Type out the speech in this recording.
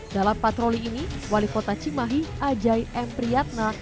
dalam patroli ini wali kota cimahi ajai m priyatna